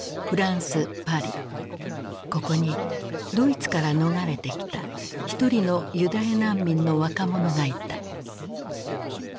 ここにドイツから逃れてきた一人のユダヤ難民の若者がいた。